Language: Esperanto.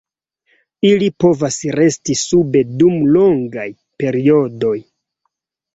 Ili povas resti sube dum longaj periodoj.